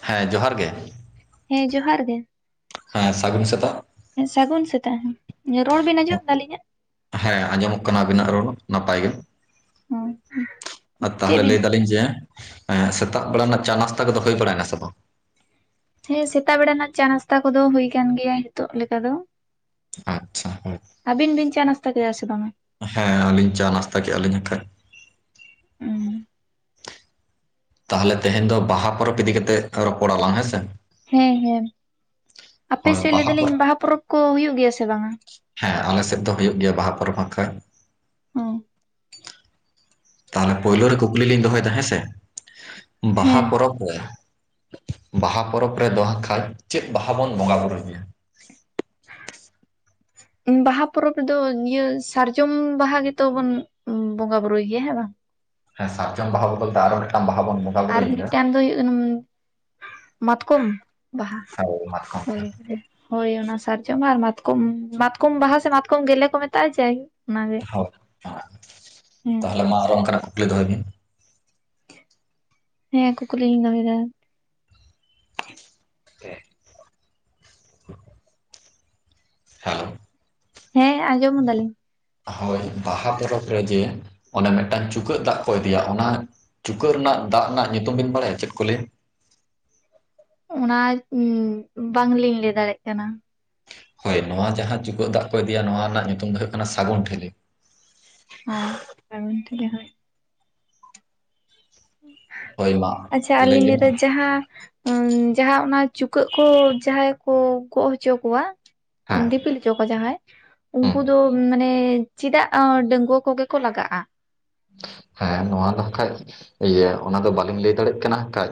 ᱦᱮᱸ ᱡᱚᱦᱟᱨ ᱜᱮ᱾ ᱦᱮᱸ ᱡᱚᱦᱟᱨ ᱜᱮ᱾ ᱦᱮᱸ ᱥᱟᱜᱩᱱ ᱥᱮᱛᱟᱜ᱾ ᱦᱮᱸ ᱥᱟᱹᱜᱩᱱ ᱥᱮᱛᱟᱜ ᱦᱮᱸ᱾ ᱧᱟᱹᱜ ᱨᱚᱲ ᱵᱮᱱ ᱟᱸᱡᱚᱢ ᱮᱫᱟ ᱞᱤᱧᱟᱜ? ᱦᱮᱸ ᱟᱸᱡᱚᱢᱚᱜ ᱠᱟᱱᱟ ᱟᱵᱤᱱᱟᱜ ᱨᱚᱲ ᱦᱚᱸ ᱱᱟᱯᱟᱭ ᱜᱮ᱾ [inaudible] ᱟᱨ ᱪᱮᱫ ᱛᱟᱦᱚᱞᱮ ᱵᱤᱱ ᱞᱟᱹᱭ ᱪᱤᱠᱟᱹ ᱫᱟᱞᱤᱧ ᱡᱮ ᱮᱸ ᱥᱮᱛᱟᱜ ᱵᱮᱲᱟ ᱨᱮᱱᱟᱜ ᱪᱟ ᱱᱟᱥᱛᱟ ᱠᱚᱫᱚ ᱦᱳᱭ ᱵᱟᱲᱟᱭᱱᱟ ᱥᱮ ᱵᱟᱝ? ᱦᱮᱸ ᱥᱮᱛᱟᱜ ᱵᱮᱲᱟ ᱨᱮᱱᱟᱜ ᱪᱟ ᱱᱟᱥᱛᱟ ᱠᱚᱫᱚ ᱦᱩᱭ ᱠᱟᱱ ᱜᱮᱭᱟ ᱦᱤᱛᱚᱜ ᱞᱮᱠᱟ ᱫᱚ᱾ ᱟᱪᱪᱷᱟ ᱦᱳᱭ ᱟᱹᱵᱤᱱ ᱵᱤᱱ ᱪᱟ ᱱᱟᱥᱛᱟ ᱠᱮᱫᱟ ᱥᱮ ᱵᱟᱝᱼᱟ? ᱦᱮᱸ ᱟᱹᱞᱤᱧ ᱪᱟ ᱱᱟᱥᱛᱟ ᱠᱮᱼᱟ ᱞᱤᱧ ᱦᱟᱸᱜ ᱠᱷᱟᱡ᱾ ᱩᱸ ᱛᱟᱦᱚᱞᱮ ᱛᱮᱦᱮᱧ ᱫᱚ ᱵᱟᱦᱟ ᱯᱚᱨᱚᱵᱽ ᱤᱫᱤ ᱠᱟᱛᱮᱜ ᱨᱚᱯᱚᱲᱟᱞᱟᱝ ᱦᱮᱸᱥᱮ᱾ ᱦᱩᱸ ᱦᱩᱸ ᱟᱯᱮ ᱥᱮᱫ ᱞᱟᱹᱭ ᱫᱟᱞᱤᱧ ᱵᱟᱦᱟ ᱯᱚᱨᱚᱵᱽ ᱠᱚ ᱦᱩᱭᱩᱜ ᱜᱮᱭᱟ ᱥᱮ ᱵᱟᱝᱼᱟ? ᱦᱮᱸ ᱟᱞᱮ ᱥᱮᱫ ᱫᱚ ᱦᱳᱭᱳᱜ ᱜᱮᱭᱟ ᱵᱟᱦᱟ ᱯᱚᱨᱚᱵᱽ ᱦᱟᱸᱜ ᱠᱷᱟᱱ᱾ ᱦᱚᱸ ᱛᱟᱦᱞᱮ ᱯᱳᱭᱞᱳ ᱨᱮ ᱠᱩᱠᱞᱤ ᱞᱤᱧ ᱫᱚᱦᱚᱭᱮᱫᱟ ᱦᱮᱸᱥᱮ ᱵᱟᱦᱟ ᱦᱮᱸ ᱯᱚᱨᱚᱵᱽ ᱨᱮ ᱵᱟᱦᱟ ᱯᱚᱨᱚᱵᱽ ᱨᱮᱫᱚ ᱦᱟᱸᱜ ᱠᱷᱟᱡ ᱪᱮᱫ ᱵᱟᱦᱟ ᱵᱚᱱ ᱵᱚᱸᱜᱟ ᱵᱩᱨᱩᱭ ᱜᱮᱭᱟ? ᱵᱟᱦᱟ ᱯᱚᱨᱚᱵᱽ ᱨᱮᱫᱚ ᱤᱭᱟᱹ ᱥᱟᱨᱡᱚᱢ ᱵᱟᱦᱟ ᱜᱮᱛᱚᱵᱚᱱ ᱵᱚᱸᱜᱟ ᱵᱩᱨᱩᱩᱭ ᱜᱮᱭᱟ ᱦᱮ ᱵᱟᱝ ᱦᱮᱸ ᱥᱟᱨᱡᱚᱢ ᱵᱟᱦᱟ ᱵᱚᱞᱛᱮ ᱟᱨ ᱢᱤᱫᱴᱟᱱ ᱵᱟᱦᱟ ᱵᱚᱱ ᱟᱨ ᱵᱩᱨᱩᱭ ᱜᱮᱭᱟ ᱢᱤᱫᱴᱟᱝ ᱫᱚ ᱦᱩᱭᱩᱜ ᱠᱟᱱᱟ ᱾ ᱢᱟᱛᱠᱚᱢ ᱵᱟᱦᱟ ᱦᱳᱭ ᱢᱟᱛᱠᱚᱢ ᱵᱟᱦᱟ᱾ [unintelligible] ᱦᱳᱭ ᱚᱱᱟ ᱥᱟᱨᱡᱚᱢ ᱢᱟ ᱟᱨ ᱢᱟᱛᱠᱚᱢ ᱢᱟᱛᱠᱚᱢ ᱵᱟᱦᱟ ᱥᱮ ᱢᱟᱛᱠᱚᱢ ᱜᱮᱞᱮ ᱠᱚ ᱢᱮᱛᱟᱜᱼᱟ ᱡᱟᱭᱼᱼ ᱦᱮ ᱦᱮᱸ ᱛᱟᱦᱚᱞᱮ ᱢᱟ ᱟᱨᱚ ᱚᱱᱠᱟᱱᱟᱜ ᱠᱩᱠᱞᱤ ᱫᱚᱦᱚᱭ ᱵᱤᱱ᱾ ᱦᱮᱸ ᱠᱩᱠᱞᱤᱧ ᱫᱚᱟᱹᱭᱮᱫᱟ? ᱦᱮ [inaudible] [unintelligible] ᱦᱮᱸ ᱟᱸᱡᱚᱢ ᱫᱟᱞᱤᱧ᱾ ᱦᱳᱭ ᱵᱟᱦᱟ ᱯᱚᱨᱚᱵᱽ ᱨᱮ ᱡᱮ ᱚᱱᱮ ᱢᱤᱫᱴᱟᱝ ᱪᱩᱠᱟᱹᱜ ᱫᱟᱜ ᱠᱚ ᱤᱫᱤᱭᱟ, ᱚᱱᱟ ᱪᱩᱠᱟᱹᱜ ᱨᱮᱱᱟᱜ ᱫᱟᱜ ᱨᱮᱱᱟᱜ ᱧᱩᱛᱩᱢ ᱵᱤᱱ ᱵᱟᱲᱟᱭᱟ ᱪᱮᱫ ᱠᱚ ᱞᱟᱹᱭᱟ? ᱚᱱᱟ ᱵᱟᱝᱞᱤᱧ ᱞᱟᱹᱭ ᱫᱟᱲᱮᱭᱟᱜ ᱠᱟᱱᱟ ᱾ ᱦᱳᱭ ᱱᱚᱣᱟ ᱡᱟᱦᱟᱸ ᱪᱩᱠᱟᱹᱜ ᱫᱟᱜ ᱠᱚ ᱤᱫᱤᱭᱟ ᱱᱚᱣᱟ ᱨᱮᱱᱟᱜ ᱧᱩᱛᱩᱢ ᱫᱚ ᱦᱩᱭᱩᱜ ᱠᱟᱱᱟ ᱥᱟᱹᱜᱩᱱ ᱴᱷᱤᱞᱤ ᱦᱳᱭ ᱥᱟᱜᱩᱱ ᱴᱷᱤᱞᱤ ᱦᱳᱭ᱾ ᱦᱳᱭ ᱢᱟ ᱟᱪᱷᱟ ᱞᱟᱹᱭ ᱟᱹᱞᱤᱧ ᱵᱤᱱ ᱞᱟᱹᱭᱫᱟ ᱡᱟᱦᱟᱸ ᱡᱟᱦᱟᱸ ᱚᱱᱟ ᱪᱩᱠᱟᱹᱜ ᱠᱚ ᱜᱚᱜ ᱦᱚᱪᱚ ᱠᱚᱣᱟ ᱦᱮᱸ ᱫᱤᱯᱤᱞ ᱦᱚᱪᱚ ᱠᱚᱣᱟ ᱡᱟᱦᱟᱸᱭ ᱦᱮᱸ ᱩᱱᱠᱩ ᱫᱚ ᱾ ᱢᱟᱱᱮ ᱪᱮᱫᱟᱜ ᱰᱟᱺᱜᱩᱣᱟᱹ ᱠᱚᱜᱮ ᱠᱚ ᱞᱟᱜᱟᱜᱼᱟ? ᱦᱮᱸ ᱱᱚᱣᱟ ᱫᱚᱠᱷᱟᱡ ᱤᱭᱟᱹ ᱚᱱᱟᱫᱚ ᱵᱟᱹᱞᱤᱧ ᱞᱟᱹᱭ ᱫᱟᱲᱮᱭᱟᱜ ᱠᱟᱱᱟ ᱠᱷᱟᱡ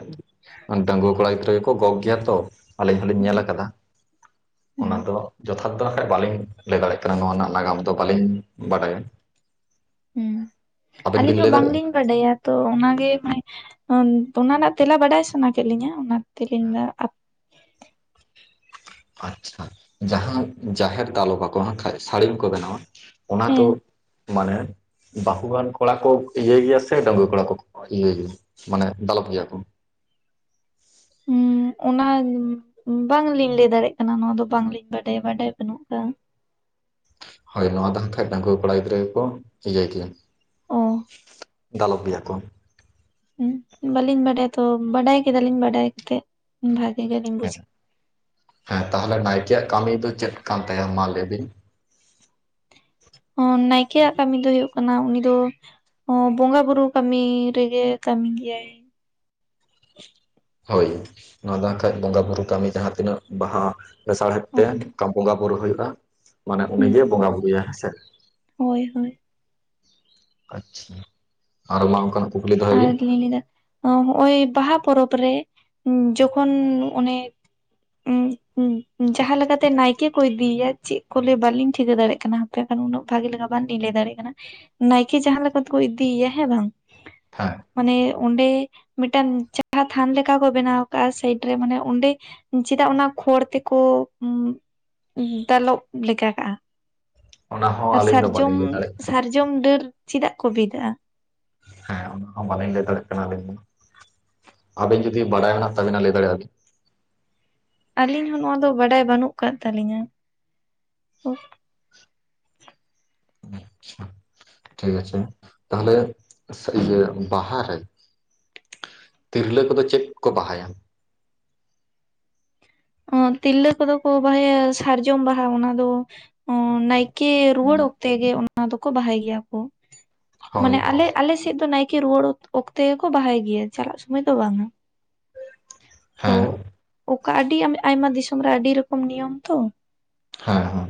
᱾ ᱰᱟᱺᱜᱩᱣᱟᱹ ᱠᱚᱲᱟ ᱜᱤᱫᱽᱨᱟᱹ ᱜᱮᱠᱚ ᱜᱚᱜ ᱜᱮᱭᱟ ᱛᱚ, ᱟᱹᱞᱤᱧ ᱦᱚᱞᱤᱧ ᱧᱮᱞ ᱦᱳᱭ ᱟᱴᱠᱟᱫᱟ ᱦᱩᱸ ᱚᱱᱟ ᱫᱚ ᱡᱚᱛᱼᱼ [unintelligible] ᱫᱚ ᱠᱷᱟᱱ ᱵᱟᱹᱞᱤᱧ ᱞᱟᱹᱭ ᱫᱟᱲᱮᱭᱟᱜ ᱠᱟᱱᱟ ᱱᱚᱣᱟ ᱨᱮᱱᱟᱜ ᱱᱟᱜᱟᱢ ᱫᱚ ᱵᱟᱹᱞᱤᱧ ᱵᱟᱰᱟᱭᱟ᱾ ᱦᱩᱸ ᱟᱵᱤᱱ ᱵᱤᱱ ᱟᱹᱞᱤᱧ ᱦᱚᱸ ᱞᱟᱹᱭ ᱫᱟᱲᱮᱭᱟᱜᱼᱟ ᱵᱟᱝᱞᱤᱧ ᱵᱟᱰᱟᱭᱟ ᱛᱚ ᱚᱱᱟᱜᱮ ᱦᱚᱸᱜ-ᱚᱭ ᱚᱱᱟ ᱨᱮᱱᱟᱜ ᱛᱮᱞᱟ ᱵᱟᱰᱟᱭ ᱥᱟᱱᱟ ᱠᱮᱫ ᱞᱤᱧᱟᱹ, ᱚᱱᱟ [unintelligible] ᱟᱪᱪᱷᱟ ᱡᱟᱦᱟᱸ ᱡᱟᱦᱮᱨ ᱫᱟᱞᱚᱵᱟᱠᱚ ᱠᱷᱟᱡ ᱥᱟᱹᱲᱤᱢ ᱠᱚᱠᱚ ᱵᱮᱱᱟᱣᱟ ᱚᱱᱟ ᱦᱮᱸ ᱫᱚ ᱢᱟᱱᱮ ᱵᱟᱹᱦᱩ ᱦᱟᱱ ᱠᱚᱲᱟ ᱠᱚ ᱤᱭᱟᱹ ᱜᱮᱭᱟ ᱥᱮ ᱰᱟᱺᱝᱣᱟᱹ ᱠᱚᱲᱟ ᱠᱚ ᱤᱭᱟᱹ ᱜᱮᱭᱟ ᱢᱟᱱᱮ ᱫᱟᱞᱚᱵ ᱜᱮᱭᱟ ᱠᱚ ᱾ ᱦᱮ ᱚᱱᱟ ᱵᱟᱝᱞᱤᱧ ᱞᱟᱹᱭ ᱫᱟᱲᱭᱟᱜ ᱠᱟᱱᱟ ᱱᱚᱣᱟ ᱫᱚ ᱵᱟᱝᱞᱤᱧ ᱵᱟᱰᱟᱭ, ᱵᱟᱰᱟᱭ ᱵᱟᱹᱱᱩᱜ ᱛᱮᱱᱟᱜ ᱫᱚ ᱦᱳᱭ ᱱᱚᱣᱟ ᱫᱚ ᱠᱷᱟᱡ ᱰᱟᱺᱜᱩᱣᱟᱹ ᱠᱚᱲᱟ ᱜᱤᱫᱽᱨᱟᱹ ᱜᱮᱠᱚ ᱤᱭᱟᱹ ᱜᱮᱭᱟ ᱚ ᱫᱟᱞᱚᱵ ᱜᱮᱭᱟ ᱠᱚ ᱾ ᱵᱟᱞᱤᱧ ᱵᱟᱰᱟᱭᱟ ᱛᱚ ᱵᱟᱰᱟᱭ ᱠᱮᱫᱟᱞᱤᱧ ᱵᱟᱰᱟᱭᱠᱮᱫ ᱵᱷᱟᱜᱤ ᱜᱮᱞᱤᱧ ᱵᱩᱡ ᱦᱮᱸ ᱦᱮᱸ, ᱛᱟᱦᱚᱞᱮ ᱱᱟᱭᱠᱮᱭᱟᱜ ᱠᱟᱹᱢᱤ ᱫᱚ ᱪᱮᱫ ᱠᱟᱱ ᱛᱟᱭᱟ ᱢᱟ ᱞᱟᱹᱭ ᱵᱤᱱ? ᱱᱟᱭᱠᱮᱭᱟᱜ ᱠᱟᱹᱢᱤ ᱫᱚ ᱦᱩᱭᱩᱜ ᱠᱟᱱᱟ ᱩᱱᱤ ᱫᱚ ᱾ ᱵᱚᱸᱜᱟ ᱵᱩᱨᱩ ᱠᱟᱹᱢᱤ ᱨᱮᱜᱮ ᱠᱟᱹᱢᱤ ᱜᱮᱭᱟᱭ᱾ ᱦᱳᱭ ᱚᱱᱟ ᱵᱟᱝ ᱠᱷᱟᱡ ᱵᱚᱸᱜᱟ ᱵᱩᱨᱩ ᱠᱟᱹᱢᱤ ᱡᱟᱦᱟᱸ ᱛᱤᱱᱟᱹᱜ ᱵᱟᱦᱟ ᱞᱮᱥᱟᱲᱦᱮᱫ ᱛᱮ ᱱᱚᱝᱠᱟ ᱵᱚᱸᱜᱟ ᱵᱳᱨᱳ ᱦᱩᱭᱩᱜᱼᱟ, ᱢᱟᱱᱮ ᱦᱩᱸ ᱩᱱᱤᱜᱮᱭ ᱵᱚᱸᱜᱟ ᱵᱩᱨᱩ ᱭᱟᱭ ᱦᱮᱸᱥᱮ᱾ ᱦᱳᱭ ᱦᱳᱭ ᱾ ᱟᱪᱷᱟ ᱟᱨ ᱢᱟ ᱚᱱᱠᱟᱼᱼ ᱟᱨ ᱞᱟᱹᱭ ᱫᱟ ᱾ ᱦᱚᱸᱜ-ᱚᱭ ᱵᱟᱦᱟ ᱯᱚᱨᱚᱵᱽ ᱨᱮ ᱡᱚᱠᱷᱚᱱ ᱚᱱᱮ ᱡᱟᱦᱟᱸ ᱞᱮᱠᱟᱛᱮ ᱱᱟᱭᱠᱮ ᱠᱚ ᱤᱫᱤᱭᱮᱤᱭᱟ ᱪᱮᱫ ᱠᱚ ᱞᱮᱭᱟ ᱵᱟᱹᱞᱤᱧ ᱴᱷᱤᱠᱟᱹ ᱫᱟᱲᱮᱭᱟᱜ ᱠᱟᱱᱟ ᱾ ᱠᱷᱟᱱ ᱩᱱᱟᱹᱜ ᱵᱷᱟᱜᱮ ᱞᱮᱠᱟ ᱵᱟᱞᱤᱧ ᱞᱟᱹᱭ ᱫᱟᱲᱮᱭᱟᱜ ᱠᱟᱱᱟ ᱱᱟᱭᱠᱮ ᱡᱟᱦᱟᱸ ᱞᱮᱠᱟ ᱛᱮᱠᱚ ᱤᱫᱤᱭᱮᱭᱟ ᱦᱮᱸ ᱵᱟᱝ ᱾ ᱦᱮᱸ᱾ ᱢᱟᱱᱮ ᱚᱸᱰᱮ ᱢᱤᱫᱴᱟᱱ ᱡᱟᱦᱟᱸ ᱛᱷᱟᱱ ᱞᱮᱠᱟ ᱠᱚ ᱵᱮᱱᱟᱣ ᱟᱠᱟᱜᱼᱟ ᱥᱟᱭᱤᱰ ᱨᱮ ᱢᱟᱱᱮ ᱚᱸᱰᱮ ᱪᱮᱫᱟᱜ ᱚᱱᱟ ᱠᱷᱚᱲ ᱛᱮᱠᱚ ᱫᱟᱞᱚᱵ ᱞᱮ ᱞᱮᱠᱟ ᱠᱟᱜᱼᱟ? ᱚᱱᱟ ᱦᱚᱸ ᱟᱨ ᱟᱹᱞᱤᱧ ᱫᱚ ᱥᱟᱨᱡᱚᱢ ᱵᱟᱹᱞᱤᱧ ᱞᱟᱹᱭ ᱫᱟᱲᱮᱭᱟᱜ ᱥᱟᱨᱡᱚᱢ ᱰᱟᱹᱨ ᱪᱮᱫᱟᱜ ᱠᱚ ᱵᱤᱫᱟᱜᱼᱟ? ᱦᱮᱸ ᱚᱱᱟ ᱦᱚᱸ ᱵᱟᱹᱞᱤᱧ ᱞᱟᱹᱭ ᱫᱟᱲᱮᱭᱟᱜ ᱠᱟᱱᱟ ᱟᱹᱞᱤᱧ ᱫᱚ ᱾ ᱟᱵᱮᱱ ᱡᱩᱫᱤ ᱵᱟᱲᱟᱭ ᱢᱮᱱᱟᱜ ᱛᱵᱮᱱᱟ ᱞᱟᱹᱭ ᱫᱟᱲᱮ ᱭᱟᱜ ᱟᱵᱤᱱ ᱟᱹᱞᱤᱧ ᱦᱚᱸ ᱱᱚᱣᱟ ᱫᱚ ᱵᱟᱰᱟᱭ ᱵᱟᱹᱱᱩᱜ ᱟᱠᱟᱫ ᱛᱟᱹᱟᱞᱤᱧᱟ ᱟᱪᱪᱷᱟ [inaudible] ᱴᱷᱤᱠ ᱟᱪᱷᱮ ᱛᱟᱦᱚᱞᱮ ᱥᱟ. ᱨᱤ ᱜᱮ ᱵᱟᱦᱟ ᱨᱮ ᱛᱤᱨᱞᱟᱹ ᱠᱚᱫᱚ ᱪᱮᱫ ᱠᱚ ᱵᱟᱦᱟᱭᱟ? ᱛᱤᱨᱞᱟᱹ ᱠᱚᱫᱚ ᱠᱚ ᱵᱟᱦᱟᱭᱟ ᱥᱟᱨᱡᱚᱢ ᱵᱟᱦᱟ ᱚᱱᱟ ᱫᱚ ᱱᱟᱭᱠᱮ ᱠᱤ ᱨᱩᱣᱟᱹᱲ ᱚᱠᱛᱮ ᱜᱮ ᱚᱱᱟ ᱫᱚᱠᱚ ᱵᱟᱦᱟᱭ ᱜᱮᱭᱟ ᱠᱚ ᱦᱳᱭ ᱢᱟᱱᱮ ᱟᱞᱮ ᱟᱞᱮ ᱥᱮᱫ ᱫᱚ ᱱᱟᱭᱠᱮ ᱨᱩᱣᱟᱹᱲ ᱚᱠᱛᱮ ᱜᱮᱠᱚ ᱵᱟᱦᱟᱭ ᱜᱮᱭᱟ ᱪᱟᱞᱟᱜ ᱥᱚᱢᱚᱭ ᱫᱚ ᱵᱟᱝᱟ ᱾ ᱟ ᱦᱮᱸ ᱚᱠᱟ ᱟᱹᱰᱤ ᱟᱭᱢᱟ ᱫᱤᱥᱚᱢ ᱨᱮ ᱟᱹᱰᱤ ᱨᱚᱠᱚᱢ ᱱᱤᱭᱚᱢ ᱛᱚ ᱦᱮᱸ ᱦᱮᱸ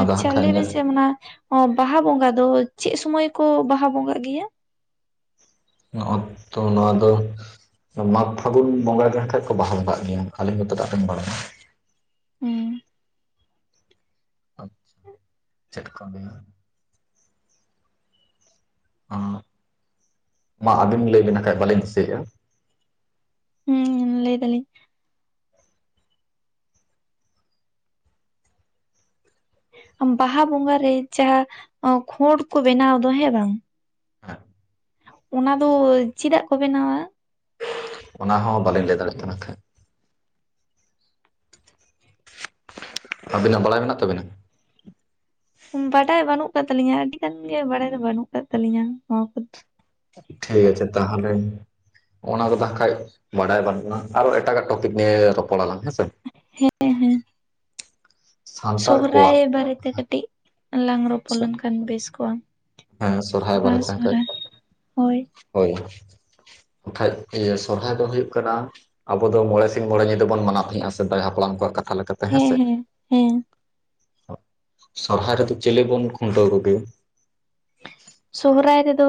ᱟᱫᱚ ᱦᱟᱸᱜ ᱟᱪᱪᱷᱟ ᱠᱷᱟᱱ ᱞᱟᱹᱭ ᱢᱮ ᱧᱮᱞ ᱥᱮ ᱚᱱᱟ ᱚ ᱵᱟᱦᱟ ᱵᱚᱸᱜᱟ ᱫᱚ ᱪᱮᱫ ᱥᱩᱚᱢᱟᱹᱭ ᱠᱚ ᱵᱟᱦᱟ ᱵᱚᱸᱜᱟᱟᱜ ᱜᱮᱭᱟ? ᱱᱚᱜ ᱛᱚ ᱱᱚᱣᱟ ᱫᱚ [unintelligible] ᱢᱟᱜᱽ ᱯᱷᱟᱹᱜᱩᱱ ᱵᱚᱸᱜᱟ ᱜᱮ ᱠᱷᱟᱡ ᱠᱚ ᱵᱟᱦᱟᱞ ᱠᱟᱜ ᱜᱮᱭᱟ ᱟᱞᱤᱧ ᱦᱚᱸ ᱛᱚ ᱟᱧ ᱵᱟᱲᱟᱭᱟ ᱾ ᱦᱮᱸ ᱟᱪᱪᱷᱟ ᱪᱴᱠᱟ [unintelligible] ᱢᱟ ᱟᱹᱵᱤᱱ ᱞᱟᱹᱭᱵᱤᱱ ᱮᱠᱷᱟᱱᱡ ᱵᱟᱹᱞᱤᱧ ᱫᱤᱥᱟᱹᱭᱮᱫᱼᱟ ᱦᱩᱸ ᱞᱟᱹᱭ ᱫᱟᱞᱞᱤ ᱵᱟᱦᱟ ᱵᱚᱸᱜᱟᱮ ᱡᱟᱦᱟᱸ ᱠᱷᱰ ᱠᱚ ᱵᱮᱱᱟᱣ ᱫᱚ ᱦᱮᱸ ᱵᱟᱝ ᱾ ᱦᱮᱸ ᱚᱱᱟ ᱫᱚ ᱪᱮᱫᱟᱜ ᱠᱚ ᱵᱮᱱᱟᱣᱟ ᱚᱱᱟ ᱦᱚᱸ ᱵᱟᱞᱤᱧ ᱞᱟᱹᱭ ᱫᱟᱲᱮᱭᱟᱜ ᱠᱟᱱᱟ ᱛᱟᱦᱮᱸᱫ ᱟᱵᱤᱱᱟᱜ ᱵᱟᱲᱟᱭ ᱢᱮᱱᱟᱜ ᱛᱟᱵᱤᱱᱟ ᱵᱟᱰᱟᱭ ᱵᱟᱹᱱᱩᱜ ᱟᱠᱟᱫ ᱛᱟᱹᱟᱞᱞᱤᱧᱟ ᱟᱹᱰᱤ ᱜᱟᱱ ᱜᱮ ᱵᱟᱰᱟᱭ ᱫᱚ ᱵᱟᱹᱱᱩᱜ ᱟᱠᱟᱫ ᱛᱟᱹᱞᱤᱧᱟ ᱱᱚᱣᱟ ᱠᱚᱫᱚ ᱴᱷᱤᱠ ᱟᱪᱷᱮ ᱛᱟᱦᱚᱞᱮ ᱚᱱᱟ ᱠᱚᱫᱚ ᱠᱷᱟᱱᱡ ᱵᱟᱰᱟᱭ ᱵᱟᱹᱱᱩᱜᱼᱟ ᱟᱨᱚ ᱮᱴᱟᱜᱟᱜ ᱴᱚᱯᱤᱠ ᱱᱤᱭᱮ ᱨᱚᱯᱚᱲᱟᱞᱟᱝ ᱦᱮᱸᱥᱮ ᱦᱮᱸ ᱦᱮᱸ ᱥᱟᱱᱛᱟᱲ ᱥᱚᱦᱨᱟᱭ ᱠᱚᱣᱟᱜ ᱵᱟᱨᱮᱛᱮ ᱠᱟᱹᱴᱤᱡ ᱞᱟᱝ ᱨᱚᱯᱚᱲ ᱞᱮᱱᱠᱷᱟᱱ ᱵᱮᱥ ᱠᱚᱜᱼᱟ ᱦᱮᱸ ᱥᱚᱨᱦᱟᱭ ᱾ ᱵᱚᱨᱟᱭ ᱵᱟᱨᱮᱛᱮ ᱦᱟᱸᱜ ᱠᱷᱟᱡ ᱦᱳᱭ [unintelligible] ᱦᱳᱭ ᱵᱟᱠᱷᱟᱡ ᱥᱚᱨᱦᱟᱭ ᱫᱚ ᱦᱩᱭᱩᱜ ᱠᱟᱱᱟ ᱟᱵᱚ ᱫᱚ ᱢᱚᱬᱮ ᱥᱤᱧᱝ ᱢᱚᱬᱮ ᱧᱤᱫᱟᱹ ᱵᱚᱱ ᱢᱟᱱᱟᱣ ᱛᱟᱦᱮᱸᱜᱼᱟ ᱥᱮᱫᱟᱭ ᱦᱟᱯᱲᱟᱢ ᱠᱚᱣᱟᱜ ᱠᱟᱛᱷᱟ ᱞᱮᱠᱟᱛᱮ ᱦ ᱦᱮᱸ ᱥᱮ ᱥᱵᱷᱟᱨᱮ ᱛ ᱪᱤᱞᱮ ᱵᱚᱱ ᱠᱷᱩᱱᱴ ᱠᱚᱜ? ᱥᱚᱦᱨᱟᱭ ᱨᱮᱫᱚ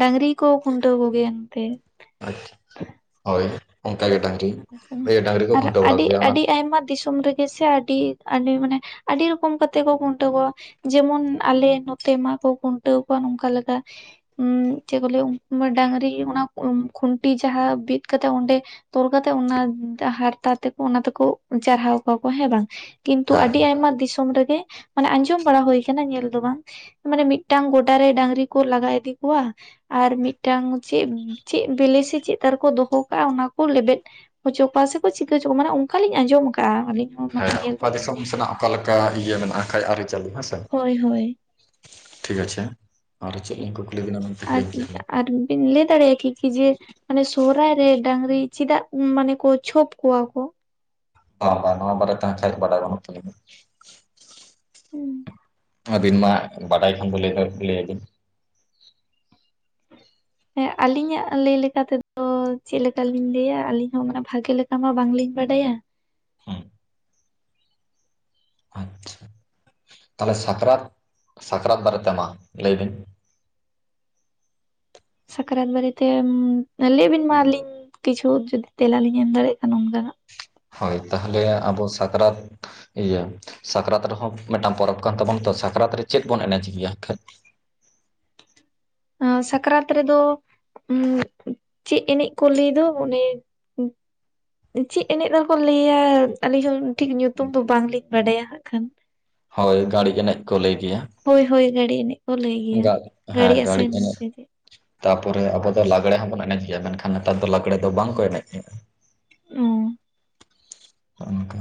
ᱰᱟᱝᱨᱤ ᱠᱚ ᱠᱷᱩᱱᱴᱟᱹᱣ ᱠᱚᱜᱮᱭᱟ ᱮᱱᱛᱮ ᱟᱪᱪᱷᱟ ᱦᱳᱭ ᱚᱱᱠᱟ ᱜᱮᱴᱟᱝ ᱟᱨ ᱟᱹᱰᱤ ᱟᱹᱰᱤ ᱟᱭᱢᱟ ᱫᱤᱥᱚᱢ ᱨᱮᱜᱮ ᱡ ᱥᱮᱮ ᱟᱹᱰᱤ ᱟᱹᱰᱤ ᱢᱟᱱᱮ ᱟᱹᱰᱤ ᱨᱚᱠᱚᱢ ᱠᱟᱛᱮ ᱠᱚ ᱠᱷᱩᱱᱴᱟᱹ ᱠᱚᱣᱟ ᱾ ᱡᱮᱢᱚᱱ ᱟᱞᱮ ᱱᱚᱛᱮ ᱢᱟᱠᱚ ᱠᱷᱩᱱᱴᱟᱹᱣ ᱠᱚᱣᱟ ᱱᱚᱝᱠᱟ ᱞᱮᱠᱟ ᱩ ᱪᱮᱫ ᱠᱚ ᱞᱟᱹᱭᱟ ᱰᱟᱝᱨᱤ ᱚᱱᱟ ᱠᱷᱩᱱᱴᱤ ᱡᱟᱦᱟᱸ ᱵᱤᱫ ᱠᱟᱛᱮᱜ ᱚᱸᱰᱮ ᱛᱚᱞ ᱠᱟᱛᱮᱜ ᱚᱱᱟ ᱦᱟᱨᱛᱟ ᱛᱮᱠᱚ ᱚᱱᱟ ᱛᱮᱠᱚ ᱪᱟᱨᱦᱟᱣ ᱠᱚᱣᱟ ᱠᱚ ᱦᱮᱸ ᱵᱟᱝ? ᱠᱤᱱᱛᱩ ᱟᱹᱰᱤ ᱦᱮᱸ ᱟᱭᱢᱟ ᱫᱤᱥᱚᱢ ᱨᱮᱜᱮ ᱢᱟᱱᱮ ᱟᱸᱡᱚᱢ ᱵᱟᱲᱟ ᱦᱩᱭ ᱟᱠᱟᱱᱟ ᱧᱮᱞ ᱫᱚ ᱵᱟᱝ ᱾ ᱢᱟᱱᱮ ᱢᱤᱫᱴᱟᱝ ᱜᱚᱰᱟ ᱨᱮ ᱰᱟᱝᱨᱤ ᱠᱚ ᱞᱟᱜᱟ ᱤᱫᱤ ᱠᱚᱣᱟ ᱟᱨ ᱢᱤᱫᱴᱟᱝ ᱪᱮᱫ ᱪᱮᱫ ᱵᱮᱞᱮ ᱥᱮ ᱪᱮᱫ ᱛᱟᱨᱠᱚ ᱫᱚᱦᱚ ᱠᱟᱜᱼᱟ ᱚᱱᱟ ᱾ ᱞᱮᱵᱮᱫ ᱦᱚᱪᱚ ᱠᱚᱣᱟ ᱥᱮᱠᱚ ᱪᱤᱠᱟᱹ ᱦᱚᱪᱚ ᱠᱚᱣᱟ ᱢᱟᱱᱮ ᱚᱱᱠᱟᱞᱤᱧ ᱟᱸᱡᱚᱢ ᱟᱠᱟᱫᱼᱟ ᱟᱹᱞᱤᱧ ᱾ ᱦᱮᱸ ᱚᱠᱟ ᱫᱤᱥᱚᱢ ᱥᱮᱱᱟᱜ ᱚᱠᱟᱮᱠᱟ ᱤᱭᱟᱹ ᱢᱮᱱᱟᱜᱼᱟ ᱠᱷᱟᱱᱡ ᱟᱹᱨᱤᱪᱟᱹᱞᱤ ᱦᱮᱸ ᱦᱳᱭ ᱦᱳᱭ ᱴᱷᱤᱠ ᱟᱪᱷᱮ ᱟᱨ ᱪᱮᱫ ᱠᱚ ᱠᱩᱞᱤ ᱡᱮᱤᱱᱟ? ᱟᱨ ᱟᱨ ᱵᱤᱱ ᱞᱟᱹᱭ ᱫᱟᱲᱮᱭᱟᱜᱼᱟ ᱠᱤ ᱠᱤ ᱡᱮ ᱢᱟᱱᱮ ᱥᱚᱦᱨᱟᱭ ᱨᱮ ᱰᱟᱝᱨᱤ ᱪᱮᱫᱟᱜ ᱢᱟᱱᱮ ᱠᱚ ᱪᱷᱚᱯ ᱠᱚᱣᱟ ᱠᱚ ᱦ ᱵᱟᱨ ᱱᱚᱣᱟ ᱵᱟᱨᱮ ᱛ ᱠᱷᱟᱭᱟᱨ ᱵᱟᱲᱟᱟᱣ ᱛ ᱞ [unintelligible] ᱦᱩᱸ ᱟᱹᱵᱤᱱ ᱢᱟ ᱵᱟᱰᱟᱭ ᱠᱷᱚᱱ ᱵᱟᱰᱟᱭ ᱞᱟᱹᱭᱟᱵᱤᱱ ᱡᱮ ᱦᱮᱸ ᱟᱹᱞᱤᱧᱟᱜ ᱞᱟᱹᱭ ᱞᱮᱠᱟ ᱛᱮᱫᱚ, ᱛᱚ ᱪᱮᱫ ᱞᱮᱠᱟᱞᱤᱧ ᱞᱟᱹᱭᱟ ᱟᱹᱞᱤᱧ ᱦᱚᱸ ᱢᱟᱱᱮ ᱵᱷᱟᱜᱮ ᱞᱮᱠᱟ ᱢᱟ ᱵᱟᱝᱞᱤᱧ ᱵᱟᱰᱟᱭ᱾ ᱦᱩᱸ ᱟᱪᱷᱟ ᱛᱟᱦᱚᱞᱮ ᱥᱟᱠᱨᱟᱛ ᱥᱟᱠᱨᱟᱛ ᱵᱟᱨᱮᱛᱮ ᱢᱟ ᱞᱟᱹᱭ ᱵᱤᱱ? ᱥᱟᱠᱨᱟᱛ ᱵᱟᱨᱮᱛᱮ ᱞᱟᱹᱭ ᱵᱤᱱ ᱢᱟ ᱟᱹᱞᱤᱧ ᱠᱤᱪᱷᱩ ᱡᱩᱫᱤ ᱛᱮᱞᱟᱞᱤᱧ ᱮᱢ ᱫᱟᱲᱮᱭᱟᱜ ᱠᱷᱱ ᱚᱱᱠᱟᱱᱟᱜ ᱦᱳᱭ ᱛᱟᱦᱚᱞᱮ ᱟᱵᱚ ᱥᱟᱠᱨᱟᱛ ᱤᱭᱟᱹ ᱥᱟᱠᱨᱟᱛ ᱨᱮᱦᱚᱸ ᱢᱤᱫᱴᱟᱝ ᱯᱚᱨᱚᱵᱽ ᱠᱟᱱ ᱛᱟᱵᱚᱱᱟ ᱛᱚ ᱥᱟᱠᱨᱟᱛ ᱨᱮ ᱪᱮᱫ ᱵᱚᱱ ᱮᱱᱮᱡ ᱜᱮᱭᱟ᱾ ᱟᱺ ᱥᱟᱠᱨᱟᱛ ᱨᱮ ᱫᱚ ᱩ ᱪᱮᱫ ᱮᱱᱮᱡ ᱠᱚ ᱞᱟᱹᱭ ᱫᱚ ᱚᱱᱮ ᱪᱮᱫ ᱮᱱᱮᱡ ᱨᱮᱠᱚ ᱞᱟᱹᱭᱟ ᱟᱹᱞᱤᱧ ᱦᱚᱸ ᱴᱷᱤᱠ ᱧᱩᱛᱩᱢ ᱫᱚ ᱵᱟᱝᱞᱤᱧ ᱵᱟᱰᱟᱭᱟ ᱦᱟᱸᱜ ᱠᱷᱟᱱ᱾ ᱦᱳᱭ ᱜᱟᱹᱲᱤ ᱮᱱᱮᱡ ᱠᱚ ᱞᱟᱹᱭ ᱜᱮᱭᱟ᱾ ᱦᱳᱭ ᱦᱳᱭ ᱜᱟᱹᱰᱤ ᱮᱱᱮᱡ ᱠᱚ ᱞᱟᱹᱭ ᱜᱮᱭᱟ᱾ ᱜᱟ ᱜᱟᱹᱲᱤ ᱦᱮᱸ ᱟᱥᱮᱱ ᱮᱱᱮᱡ ᱥᱮ ᱪᱮᱫ ᱛᱟᱯᱚᱨᱮ ᱟᱵᱚ ᱫᱚ ᱞᱟᱜᱽᱲᱮ ᱦᱚᱸᱵᱚᱱ ᱮᱱᱮᱡ ᱜᱮᱭᱟ, ᱢᱮᱱᱠᱷᱟᱱ ᱱᱮᱛᱟᱨ ᱫᱚ ᱞᱟᱜᱽᱲᱮ ᱫᱚ ᱵᱟᱝᱠᱚ ᱮᱱᱮᱡ ᱜᱮ-ᱟ᱾ ᱚ, ᱚᱱᱠᱟ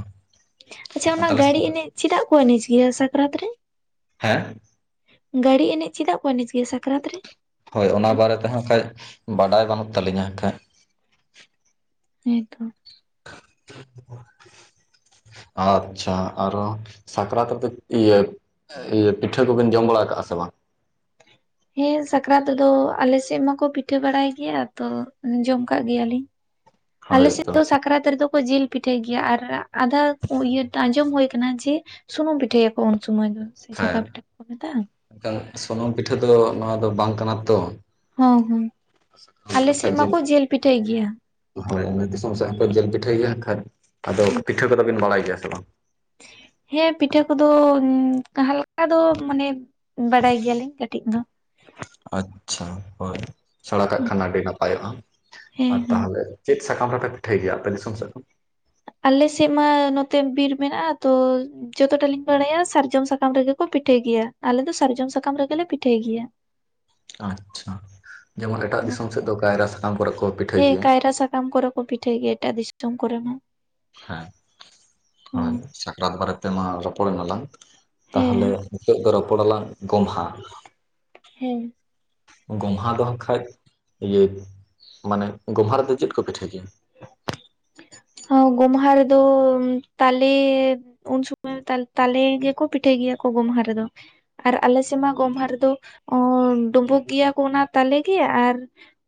ᱟᱪᱷᱟ ᱚᱱᱟ ᱛᱟᱦᱚᱞᱮ ᱜᱟᱹᱲᱤ ᱮᱱᱮᱡ ᱪᱮᱫᱟᱜ ᱠᱚ ᱮᱱᱮᱡ ᱜᱮᱭᱟ ᱥᱟᱠᱨᱟᱛ ᱨᱮ? ᱦᱮᱸ ᱜᱰᱤ ᱮᱱᱮᱡ ᱪᱮᱫᱟᱜ ᱠᱚ ᱱᱤᱡ ᱜᱮ ᱥᱟᱠᱨᱟᱛ ᱨᱮ? ᱦᱳᱭ ᱚᱱᱟ ᱵᱟᱨᱮ ᱛᱮᱦᱸ ᱠᱷᱟᱡ ᱵᱟᱰᱟᱭ ᱵᱟᱹᱱᱩᱜ ᱛᱟᱹᱞᱤᱧᱟ ᱠᱷᱟᱡ᱾ ᱦᱮ ᱛᱚ [inaudible] ᱟᱪᱷᱟ ᱟᱨᱚ ᱥᱟᱠᱨᱟᱛ ᱨᱮᱫ ᱤᱭᱟᱹ ᱤᱭᱟᱹ ᱯᱤᱴᱷᱟᱹ ᱠᱚᱵᱤᱱ ᱡᱚᱢ ᱵᱟᱲᱟ ᱠᱟᱜ-ᱟ ᱥᱮ ᱵᱟᱝ? ᱦᱮᱸ ᱥᱟᱠᱨᱟᱛ ᱨᱮ ᱫᱚ ᱟᱞᱮᱥᱮᱫ ᱢᱟᱠᱚ ᱯᱤᱴᱷᱟᱹ ᱵᱟᱲᱟᱭ ᱜᱮᱭᱟ ᱛᱚ ᱡᱚᱢ ᱠᱟᱜ ᱜᱮᱭᱟᱞᱤᱧ᱾ ᱟᱞᱮ ᱦᱳᱭ ᱥᱮᱫ ᱛᱚ ᱫᱚ ᱥᱟᱠᱨᱟᱛ ᱨᱮᱫᱚ ᱠᱚ ᱡᱤᱞ ᱯᱤᱴᱷᱟᱭ ᱜᱮᱭᱟ᱾ ᱟᱨ ᱟᱫᱷᱟ ᱤᱭᱟᱹ ᱟᱸᱡᱚᱢ ᱦᱩᱭ ᱟᱠᱟᱱᱟᱟᱱᱟ ᱡᱮ ᱥᱩᱱᱩᱢ ᱯᱤᱴᱷᱟᱹᱭᱟᱠᱚ ᱩᱱ ᱥᱚᱢᱟᱹᱭ ᱫᱚ᱾ ᱥᱮ ᱡᱷᱟᱠᱟ ᱦᱮᱸ ᱯᱤᱴᱷᱟᱹ ᱠᱚ ᱢᱮᱛᱟᱜ-ᱟ᱾ ᱢᱮᱱᱠᱷᱟᱱ ᱥᱩᱱᱩᱢ ᱯᱤᱴᱷᱟᱹ ᱫᱚ ᱱᱚᱣᱟ ᱫᱚ ᱵᱟᱝ ᱠᱟᱱᱟ ᱛᱚ᱾ ᱦᱮ ᱦᱮᱸ ᱟᱞᱮ ᱥᱮᱫ ᱢᱟᱠᱚ ᱡᱤᱞ ᱯᱤᱴᱷᱟᱹᱭ ᱜᱮᱭᱟ᱾ ᱦᱳᱭ ᱚᱱᱟ ᱫᱤᱥᱚᱢ ᱥᱮᱫ ᱦᱚᱸᱠᱚ ᱡᱤᱞ ᱯᱤᱴᱷᱟᱹᱭ ᱜᱮᱭᱟ᱾ ᱮᱱ ᱠᱷᱟᱡ ᱟᱫᱚ ᱯᱤᱴᱷᱟᱹ ᱠᱚᱫᱚ ᱵᱤᱱ ᱵᱟᱲᱟᱭ ᱜᱮᱭᱟ ᱥᱮ ᱵᱟᱝ? ᱦᱮᱸ ᱯᱤᱴᱷᱟᱹ ᱠᱚᱫᱚ ᱦᱟᱞᱠᱟ ᱫᱚ ᱢᱟᱱᱮ ᱵᱟᱰᱟᱭ ᱜᱮᱭᱟᱞᱤᱤᱧ ᱠᱟᱹᱴᱤᱡ ᱫᱚ᱾ ᱟᱪᱷᱟ ᱦᱳᱭ ᱥᱮᱲᱟ ᱠᱟᱜ ᱠᱷᱟᱱ ᱟᱹᱰᱤ ᱱᱟᱯᱟᱭᱚᱜ-ᱟ, ᱦᱮᱸ ᱟᱨ ᱦᱮᱸ ᱛᱟᱦᱚᱞᱮ ᱪᱮᱫ ᱥᱟᱠᱟᱢ ᱨᱮᱯᱮ ᱯᱤᱴᱷᱟᱹᱭ ᱜᱮᱭᱟ ᱟᱯᱮ ᱫᱤᱥᱚᱢ ᱥᱮᱫ ᱫᱚ? ᱟᱞᱮᱥᱮᱫ ᱢᱟ ᱱᱚᱛᱮ ᱵᱤᱨ ᱢᱮᱱᱟᱜ-ᱟ᱾ ᱛᱚ ᱡᱚᱛᱚᱴᱟ ᱞᱤᱧ ᱵᱟᱲᱟᱭᱟ, ᱥᱟᱨᱡᱚᱢ ᱥᱟᱠᱟᱢ ᱨᱮᱜᱮ ᱠᱚ ᱯᱤᱴᱷᱟᱭ ᱜᱮᱭᱟ᱾ ᱟᱞᱮ ᱫᱚ ᱥᱟᱨᱡᱚᱢ ᱥᱟᱠᱟᱢ ᱨᱮᱜᱮᱞᱮ ᱯᱤᱴᱷᱟᱹᱭ ᱜᱮᱭᱟᱹ᱾ ᱟᱪᱷᱟ ᱡᱮᱢᱚᱱ ᱮᱴᱟᱜ ᱫᱤᱥᱚᱢ ᱥᱮᱫ ᱫᱚ ᱠᱟᱭᱨᱟ ᱥᱟᱠᱟᱢ ᱠᱚᱨᱮ ᱠᱚ ᱯᱤᱴᱷᱟᱹᱭ ᱦᱮᱸ ᱜᱮᱭᱟ ᱠᱟᱭᱨᱟ ᱥᱟᱠᱟᱢ ᱠᱚᱨᱮ ᱠᱚ ᱯᱤᱴᱷᱟᱹᱭ ᱜᱤᱭᱟ ᱮᱴᱟᱜ ᱫᱤᱥᱚᱢ ᱠᱚᱨᱮ ᱦᱚ᱾ ᱦᱮᱸ ᱦᱳᱭ ᱥᱟᱠᱨᱟᱛ ᱵᱟᱨᱮ ᱛᱮᱢᱟ ᱨᱚᱯᱚᱲ ᱮᱱᱟᱞᱟᱝ᱾ ᱛᱟᱦᱚᱞᱮ ᱦᱮᱸ ᱱᱤᱛᱚᱜ ᱫᱚ ᱨᱚᱯᱚᱲᱞᱟᱝ ᱜᱚᱢᱦᱟ᱾ ᱦᱮᱸ ᱜᱚᱢᱦᱟ ᱫᱚᱦᱚ ᱠᱷᱟᱡ ᱤᱭᱟᱹ ᱢᱟᱱᱮ ᱜᱚᱢᱦᱟ ᱨᱮᱫᱚ ᱪᱮᱫ ᱠᱚ ᱯᱤᱴᱷᱟᱹ ᱠᱮᱭᱟ? ᱦᱚ ᱜᱚᱢᱦᱟ ᱫᱚ ᱛᱟᱞᱮ ᱩᱱ ᱥᱩᱢᱚᱭ ᱛᱟᱞ ᱛᱟᱞᱮ ᱜᱮᱠᱚ ᱯᱤᱴᱷᱟᱹᱭ ᱜᱮᱭᱟ ᱠᱚ ᱜᱚᱢᱦᱟ ᱨᱮᱫᱚ᱾ ᱟᱨ ᱟᱞᱮᱥᱮᱫ ᱢᱟ ᱜᱚᱢᱦᱟ ᱨᱮᱫᱚ, ᱰᱩᱵᱳᱩᱜ ᱜᱮᱭᱟ ᱠᱚ ᱚᱱᱟ ᱛᱟᱞᱮᱜ ᱜᱮ, ᱟᱨ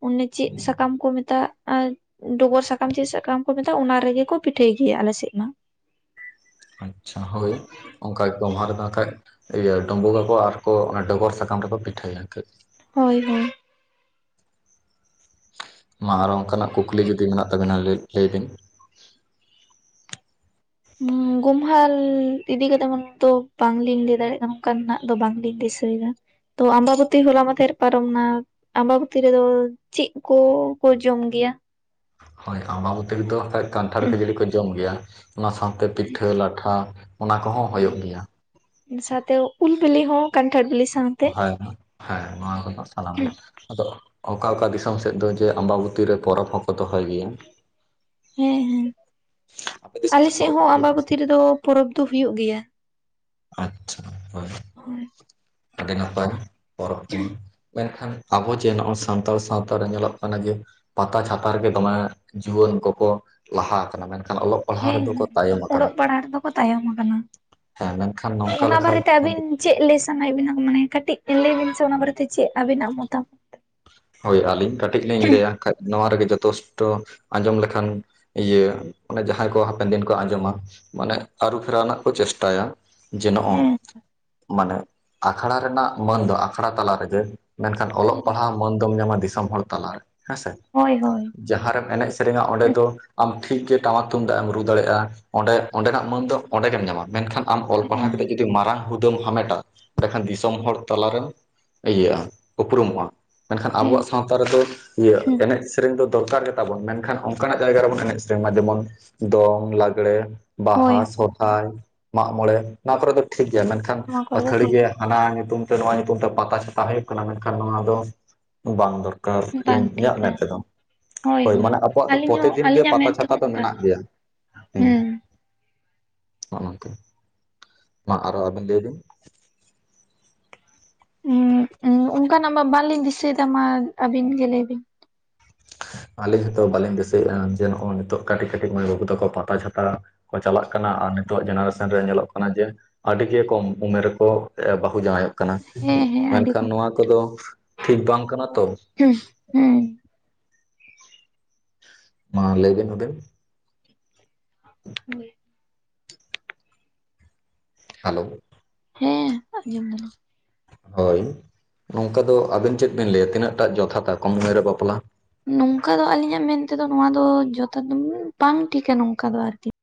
ᱚᱱᱮ ᱪᱮᱫ ᱥᱟᱠᱟᱢ ᱠᱚ ᱢᱮᱛᱟᱜ ᱟᱨ ᱰᱚᱜᱚᱨ ᱥᱟᱠᱟᱢ ᱪᱮᱫ ᱥᱟᱠᱟᱢ ᱠᱚ ᱢᱮᱛᱟᱜ, ᱚᱱᱟ ᱨᱮᱜᱮᱠᱚ ᱯᱤᱴᱷᱟᱹᱭ ᱜᱮᱭᱟ ᱟᱞᱮᱥᱮᱫ ᱢᱟ᱾ ᱟᱪᱷᱟ ᱦᱳᱭ ᱚᱱᱠᱟ ᱜᱚᱢᱦᱟ ᱨᱮ ᱵᱟᱝᱠᱟᱱᱡ ᱤᱭᱟᱹ ᱰᱩᱢᱵᱩᱜ ᱟᱠᱚ ᱟᱨᱠᱚ ᱰᱚᱜᱚᱨ ᱥᱟᱠᱟᱢ ᱨᱮᱠᱚ ᱯᱤᱴᱷᱟᱹᱭᱟᱡ᱾ ᱦᱳᱭ ᱦᱳᱭ ᱢᱟ ᱟᱨ ᱚᱱᱠᱟᱱᱟᱜ ᱠᱩᱠᱞᱤ ᱡᱩᱫᱤ ᱢᱮᱱᱟᱜ ᱛᱟᱵᱤᱱᱟ ᱢᱟ ᱞᱟᱹᱭ ᱵᱤᱱ ᱜᱩᱢᱦᱟᱞ ᱤᱫᱤ ᱠᱟᱛᱮ ᱫᱚ ᱵᱟᱝᱞᱤᱧ ᱞᱟᱹᱭ ᱫᱟᱲᱮᱭᱟᱜ ᱠᱟᱱᱟ ᱚᱱᱠᱟᱱᱟᱜ ᱫᱚ ᱵᱟᱝᱞᱤᱧ ᱫᱤᱥᱟᱹᱭᱮᱫᱟ ᱛᱚ ᱟᱢᱵᱟᱵᱚᱛᱤ ᱦᱚᱞᱟ ᱢᱟᱸᱫᱷᱮᱨ ᱯᱟᱨᱚᱢᱮᱱᱟ ᱟᱢᱵᱟᱵᱚᱛᱤ ᱨᱮᱫᱚ ᱪᱤᱫ ᱠᱩ ᱠᱚ ᱡᱚᱢ ᱜᱮᱭᱟ? ᱦᱳᱭ ᱟᱢᱵᱟ ᱵᱟᱛᱤ ᱨᱮᱫᱚ ᱠᱟᱹᱡ ᱠᱟᱱᱴᱷᱟᱲ ᱠᱷᱟᱹᱡᱟᱹᱲᱤ ᱠᱚ ᱡᱚᱢ ᱜᱮᱭᱟ, ᱚᱱᱟ ᱥᱟᱶᱛᱮ ᱯᱤᱴᱷᱟᱹ ᱞᱟᱴᱷᱟ ᱚᱱᱟ ᱠᱚᱦᱚᱸ ᱦᱩᱭᱩᱜ ᱜᱮᱭᱟ᱾ ᱤᱱᱟᱹ ᱥᱟᱶᱛᱮ ᱩᱞ ᱵᱤᱞᱤ ᱦᱚᱸ ᱠᱟᱱᱴᱷᱟᱲ ᱵᱤᱞᱤ᱾ ᱥᱟᱶᱛᱮ ᱦᱳᱭ ᱦᱮ ᱱᱚᱣᱟ ᱠᱚᱫᱚ ᱥᱟᱱᱟᱢ ᱜᱮ ᱦᱮᱸ ᱟᱫᱚ ᱚᱠᱟ ᱚᱠᱟ ᱫᱤᱥᱚᱢ ᱥᱮᱫ ᱫᱚ ᱡᱮ ᱟᱢᱵᱟᱵᱚᱛᱤᱨᱮ ᱯᱚᱨᱚᱵᱽ ᱦᱚᱸᱠᱚ ᱫᱚᱦᱚᱭ ᱜᱮᱭᱟ᱾ ᱦᱮᱸ ᱦᱮᱸ ᱟᱯᱮ ᱫᱤᱥᱚᱢ ᱥᱮᱫ ᱟᱞᱮᱥᱮᱫ ᱯᱚᱨᱚᱵᱽ ᱠᱚ ᱦᱚᱸ ᱦᱩᱭᱩᱜ ᱜᱮᱭᱟ? ᱟᱢᱵᱟᱵᱚᱛᱤ ᱨᱮᱫᱚ ᱯᱚᱨᱚᱵᱽ ᱫᱚ ᱦᱩᱭᱩᱜ ᱜᱮᱭᱟ᱾ ᱟᱪᱪᱷᱟ ᱦᱳᱭ ᱦᱳᱭ᱾ ᱟᱹᱰᱤ ᱱᱟᱯᱟᱭ ᱯᱚᱨᱚᱵᱽ ᱵᱩᱱ ᱢᱮᱱᱠᱷᱟᱱ ᱟᱵᱚ ᱡᱮ ᱱᱚᱜ-ᱚᱭ ᱥᱟᱱᱛᱟᱲ ᱥᱟᱶᱛᱟ ᱨᱮ ᱧᱮᱞᱚᱜ ᱠᱟᱱᱟ ᱡᱮ ᱯᱟᱛᱟ ᱪᱷᱟᱛᱟ ᱨᱮᱜᱮ ᱫᱚᱢᱮ ᱡᱩᱣᱟᱹᱱ ᱠᱚᱠᱚ ᱞᱟᱦᱟ ᱟᱠᱟᱱᱟ, ᱢᱮᱱᱠᱷᱟᱱ ᱚᱞᱚᱜ ᱯᱟᱲᱦᱟᱜ ᱦᱮᱸ ᱨᱮᱫᱚ ᱠᱚ ᱛᱟᱭᱚᱢ ᱟᱠᱟᱱᱟ ᱚᱞᱚᱜ ᱯᱟᱲᱦᱟᱜ ᱨᱮᱫᱚ ᱠᱚ ᱛᱟᱭᱚᱢ ᱠᱟᱱᱟ, ᱦᱮᱸ ᱢᱮᱱᱠᱷᱟᱱ ᱱᱚᱝᱠᱟ ᱚᱱᱟ ᱞᱮᱠᱟ ᱵᱟᱨᱮᱛᱮ ᱟᱵᱤᱱ ᱪᱮᱫ ᱞᱟᱹᱭ ᱥᱟᱱᱟᱭᱮᱫ ᱵᱤᱱᱟ ᱢᱟᱱᱮ ᱠᱟᱹᱴᱤᱡ ᱞᱟᱹᱭ ᱵᱤᱱ ᱥᱮ ᱚᱱᱟ ᱵᱟᱨᱮᱛᱮ ᱪᱮᱫ ᱟᱵᱤᱱᱟᱜ ᱢᱚᱛᱟᱢᱚᱛ᱾ ᱦᱳᱭ ᱟᱹᱞᱤᱧ ᱠᱟᱹᱴᱤᱡ ᱞᱤᱧ ᱞᱟᱹᱭᱟ ᱠᱷᱟᱡ ᱱᱚᱣᱟ ᱨᱮᱜᱮ ᱡᱚᱛᱚᱥᱴᱚ ᱟᱸᱡᱚᱢ ᱞᱮᱠᱷᱟᱱ ᱤᱭᱟᱹ ᱚᱱᱮ ᱡᱟᱦᱟᱸᱭ ᱠᱚ ᱦᱟᱯᱮᱱ ᱫᱤᱱ ᱠᱚ ᱟᱸᱡᱚᱢᱟ ᱢᱟᱱᱮ ᱟᱹᱨᱩ ᱯᱷᱮᱨᱟᱣ ᱨᱮᱱᱟᱜ ᱠᱚ ᱪᱮᱥᱴᱟᱭᱟ ᱡᱮ ᱱᱚᱜ-ᱚᱭ ᱦᱮᱸ ᱢᱟᱱᱮ ᱟᱠᱷᱲᱟ ᱨᱮᱱᱟᱜ ᱢᱟᱹᱱ ᱫᱚ ᱟᱠᱷᱲᱟ ᱛᱟᱞᱟ ᱨᱮᱜᱮ, ᱢᱮᱱᱠᱷᱟᱱ ᱯᱟᱲᱦᱟᱣ ᱢᱟᱹᱱ ᱫᱚᱢ ᱧᱟᱢᱟ ᱫᱤᱥᱟᱹᱢ ᱦᱚᱲ ᱛᱟᱞᱟᱨᱮ ᱦᱮᱸᱥᱮ ᱦᱳᱭ ᱦᱳᱭ᱾ ᱡᱟᱦᱟᱸ ᱨᱮᱢ ᱮᱱᱮᱡ ᱥᱮᱨᱮᱧᱟ ᱚᱸᱰᱮ ᱫᱚ ᱟᱢ ᱴᱷᱤᱠ ᱜᱮ ᱴᱟᱢᱟᱠ ᱛᱩᱢᱫᱟᱜ ᱮᱢ ᱨᱩ ᱫᱟᱲᱮᱭᱟᱜ-ᱟ᱾ ᱚᱸᱰᱮ ᱚᱸᱰᱮᱱᱟᱜ ᱢᱟᱹᱱ ᱫᱚ ᱚᱸᱰᱮ ᱜᱮᱢ ᱧᱟᱢᱟ, ᱢᱮᱱᱠᱷᱟᱱ ᱟᱢ ᱚᱞ ᱯᱟᱲᱦᱟᱣ ᱦᱮᱸ ᱠᱟᱛᱮᱜ ᱡᱩᱫᱤ ᱢᱟᱨᱟᱝ ᱦᱩᱫᱟᱹᱢ ᱦᱟᱢᱮᱴᱟ ᱚᱸᱰᱮᱠᱷᱟᱱ ᱫᱤᱥᱚᱢ ᱦᱚᱲ ᱛᱟᱞᱟᱨᱮᱢ ᱤᱭᱟᱹᱜ-ᱟ ᱩᱯᱨᱩᱢᱚᱜ-ᱟ ᱢᱮᱱᱠᱷᱟᱱ ᱦᱮᱸ ᱟᱵᱚᱣᱟᱜ ᱥᱟᱶᱛᱟ ᱨᱮᱫᱚ ᱤᱭᱟᱹ ᱮᱱᱮᱡ ᱥᱮᱨᱮᱧ ᱫᱚᱨᱠᱟᱨ ᱜᱮ ᱛᱟᱵᱚᱱ ᱢᱮᱱᱠᱷᱟᱱ ᱚᱱᱠᱟᱱᱟᱜ ᱡᱟᱭᱜᱟ ᱨᱮᱵᱚᱱ ᱮᱱᱮᱡ ᱥᱮᱨᱮᱧ ᱢᱟ ᱡᱮᱢᱚᱱ ᱫᱚᱝ, ᱞᱟᱜᱽᱲᱮ, ᱦᱳᱭ ᱦᱳᱭ ᱵᱟᱦᱟ, ᱥᱚᱨ ᱦᱟᱭ ᱢᱟᱜ ᱢᱚᱬᱮ ᱱᱚᱣᱟ ᱠᱚᱨᱮ ᱫᱚ ᱴᱷᱤᱠ ᱜᱮᱭᱟ ᱢᱮᱱᱠᱷᱟᱱ ᱱᱚᱣᱟ ᱠᱚᱨᱮ ᱫᱚ ᱟᱹᱛᱷᱟᱹᱲᱤ ᱴᱷᱤᱠ ᱜᱮ ᱦᱟᱱᱟ ᱧᱩᱛᱩᱢ ᱛᱮ ᱱᱚᱣᱟ ᱧᱩᱛᱩᱢ ᱛᱮ ᱯᱟᱛᱟ ᱪᱷᱟᱛᱟ ᱦᱩᱭᱩᱜ ᱠᱟᱱᱟ, ᱢᱮᱱᱠᱷᱟᱱ ᱱᱚᱣᱟ ᱫᱚ ᱵᱟᱝ ᱫᱚᱨᱠᱟᱨ ᱜᱮ ᱵᱟᱝ ᱤᱧᱟᱹᱜ ᱴᱷᱤᱠᱟ ᱢᱮᱱ ᱛᱮᱫᱚ ᱦᱳᱭ ᱢᱟᱱᱮ ᱟᱵᱚᱣᱟᱜ ᱫᱚ ᱟᱹᱞᱤᱧ ᱯᱚᱛᱮ ᱦᱚᱸ ᱫᱤᱱ ᱜᱮ ᱟᱹᱞᱤᱧᱟᱜ ᱯᱟᱛᱟ ᱢᱮᱱ ᱛᱮᱦᱚᱸ ᱪᱷᱟᱛᱟ ᱫᱚ ᱚᱱᱠᱟ ᱢᱮᱱᱟᱜ ᱜᱮ ᱜᱮᱭᱟ ᱦᱩᱸ᱾ ᱱᱚᱜ-ᱱᱚᱝᱠᱟ ᱢᱟ ᱟᱨᱚ ᱟᱵᱤᱱ ᱞᱟᱹᱭᱵᱤᱱ᱾ ᱦᱮᱸ ᱩᱸ ᱚᱱᱠᱟᱱᱟᱜ ᱢᱟ ᱵᱟᱝᱞᱤᱧ ᱫᱤᱥᱟᱹᱭᱮᱫᱟ ᱢᱟ ᱟᱹᱵᱤᱱ ᱜᱮ ᱞᱟᱹᱭ ᱵᱤᱱ᱾ ᱟᱞᱤᱧ ᱦᱚᱸᱛᱚ ᱵᱟᱞᱤᱧ ᱫᱤᱥᱟᱹᱭᱮ ᱟ ᱡᱮ ᱱᱚᱜ-ᱚᱭ ᱱᱤᱛᱚᱜ ᱠᱟᱹᱴᱤᱡᱼᱠᱟᱹᱴᱤᱡ ᱢᱟᱹᱭ ᱵᱟᱹᱵᱩ ᱛᱟᱠᱚ ᱯᱟᱛᱟ ᱪᱷᱟᱛᱟ ᱠᱚ ᱪᱟᱞᱟᱜ ᱠᱟᱱᱟ ᱟᱨ ᱱᱤᱛᱚᱜ ᱡᱮᱱᱟᱨᱮᱥᱮᱱ ᱨᱮ ᱧᱮᱞᱚᱜ ᱠᱟᱱᱟ ᱡᱮ ᱟᱹᱰᱤ ᱜᱮ ᱠᱚᱢ ᱩᱢᱮᱨ ᱨᱮᱠᱚ ᱵᱟᱹᱦᱩ ᱡᱟᱶᱟᱭᱚᱜ ᱠᱟᱱᱟ ᱠᱟᱱᱟ ᱦᱮᱸ ᱦᱮᱸ ᱟᱹᱰᱤ ᱢᱮᱱᱠᱷᱟᱱ ᱠᱚᱢ ᱦᱩᱸ ᱱᱚᱣᱟ ᱠᱚᱫᱚ ᱴᱷᱤᱠ ᱵᱟᱝ ᱠᱟᱱᱟ ᱛᱚ ᱦᱩᱸ ᱦᱮᱸ ᱢᱟ ᱞᱟᱹᱭ ᱵᱤᱱ ᱟᱵᱮᱱ᱾ [unintelligible] ᱦᱮᱞᱳ᱾ ᱦᱮᱸ ᱟᱸᱡᱚᱢ ᱫᱟᱞᱤᱧ ᱦᱳᱭ ᱱᱚᱝᱠᱟ ᱫᱚ ᱟᱵᱤᱱ ᱪᱮᱫ ᱵᱮᱤᱱ ᱞᱟᱹᱭᱟ ᱛᱤᱱᱟᱹᱜ ᱴᱟ ᱡᱚᱛᱷᱟᱛᱟ ᱠᱚᱢ ᱩᱢᱮᱨ ᱨᱮ ᱵᱟᱯᱞᱟ? ᱱᱚᱝᱠᱟ ᱫᱚ ᱟᱹᱞᱤᱧᱟᱜ ᱢᱮᱱᱛᱮ ᱫᱚ ᱱᱚᱣᱟ ᱫᱚ ᱡᱚᱛᱷᱟᱛ ᱵᱟᱝ ᱴᱷᱤᱠᱟ ᱱᱚᱝᱠᱟ ᱫᱚ ᱟᱨᱠᱤ